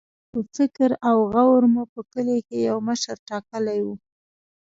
په فکر او غور مو په کلي کې یو مشر ټاکلی وي.